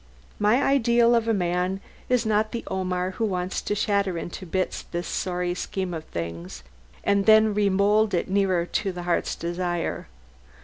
My ideal of a man is not the Omar who wants to shatter into bits this sorry scheme of things, and then remould it nearer to the heart's desire.